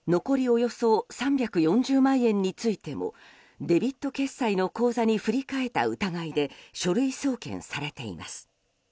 およそ３４０万円についてもデビット決済の口座に振り替えた疑いで書類送検されています。